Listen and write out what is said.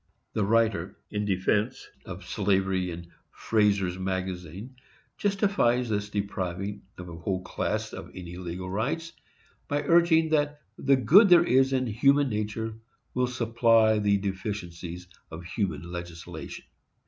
The writer in defence of slavery in Fraser's Magazine justifies this depriving of a whole class of any legal rights, by urging that "the good there is in human nature will supply the deficiencies of human legislation."